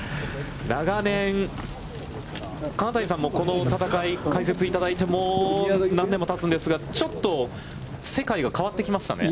長年、金谷さんも、この戦いを解説いただいてもう何年もたつんですが、ちょっと世界が変わってきましたね。